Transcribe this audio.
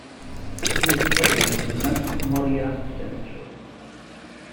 He is buried in Mount Moriah Cemetery.